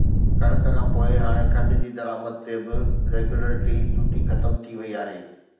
ڪڻڪ کانپوءِ هاڻي کنڊ جي درآمد تي به ريگيوليٽري ڊيوٽي ختم ٿي وئي آهي